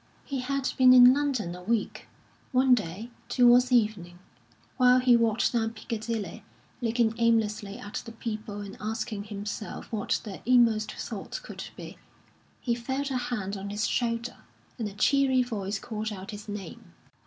He had been in London a week. One day, towards evening, while he walked down Piccadilly, looking aimlessly at the people and asking himself what their inmost thoughts could be, he felt a hand on his shoulder, and a cheery voice called out his name.